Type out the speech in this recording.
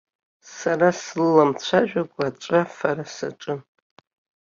Сара слыламцәажәакәа аҵәафара саҿын.